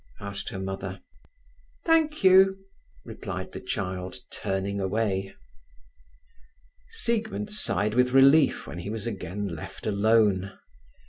asked her mother. "Thank you," replied the child, turning away. Siegmund sighed with relief when he was again left alone.